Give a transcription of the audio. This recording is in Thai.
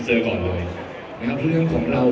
เสียงปลดมือจังกัน